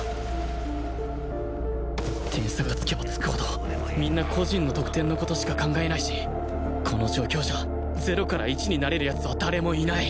点差がつけばつくほどみんな個人の得点の事しか考えないしこの状況じゃ０から１になれる奴は誰もいない